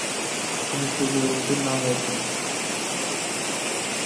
তুমি পরীক্ষায় উত্তীর্ণ হয়েছ।